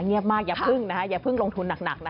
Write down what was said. เงียบมากอย่าพึ่งรงทุนหนัก